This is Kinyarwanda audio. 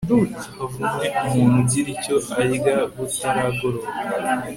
havumwe umuntu ugira icyo arya butaragoroba